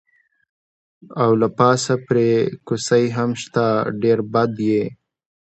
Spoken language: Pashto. او له پاسه پرې کوسۍ هم شته، ډېر بد یې.